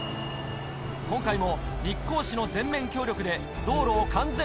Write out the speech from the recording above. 今回も。